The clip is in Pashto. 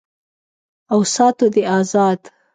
او ساتو دې آزاد